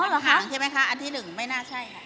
เห็นไหมคะอันที่๑ไม่น่าใช่